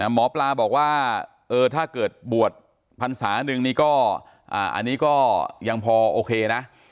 หมอปลาบอกว่าถ้าเกิดบวชพรรษาหนึ่งนี่ก็อันนี้ก็ยังพอโอเคนะ